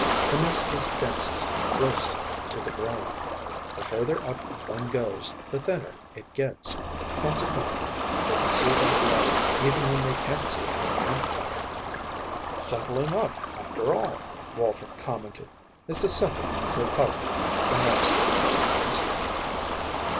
"The mist is densest close to the ground. The further up one goes the thinner it gets; consequently they can see that light even when they can't see our campfire." "Simple enough, after all," Walter commented. "It's the simple things that puzzle one the most sometimes."